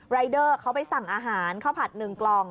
รายเดอร์เขาไปสั่งอาหารข้าวผัด๑กล่อง